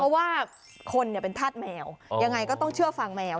เพราะว่าคนเป็นธาตุแมวยังไงก็ต้องเชื่อฟังแมว